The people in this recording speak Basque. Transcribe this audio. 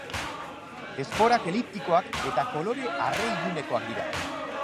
Esporak eliptikoak eta kolore arre-ilunekoak dira.